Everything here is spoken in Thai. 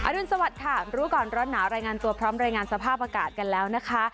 รุนสวัสดิ์ค่ะรู้ก่อนร้อนหนาวรายงานตัวพร้อมรายงานสภาพอากาศกันแล้วนะคะ